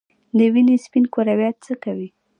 د وینې سپین کرویات څه کوي؟